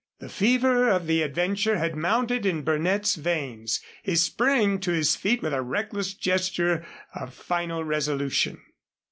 The fever of the adventure had mounted in Burnett's veins. He sprang to his feet with a reckless gesture of final resolution.